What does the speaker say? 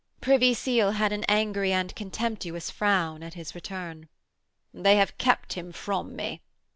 Privy Seal had an angry and contemptuous frown at his return. 'They have kept him from me.'